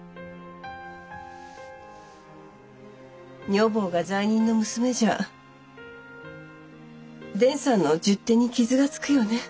女房が罪人の娘じゃ伝さんの十手に傷がつくよね。